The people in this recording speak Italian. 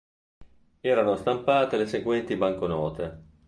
Erano stampate le seguenti banconote.